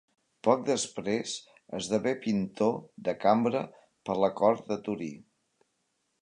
Poc després esdevé pintor de cambra de la cort de Torí.